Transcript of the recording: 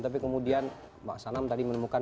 tapi kemudian mbak sanam tadi menemukan